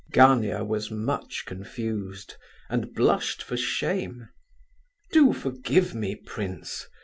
Gania was much confused, and blushed for shame "Do forgive me, prince!"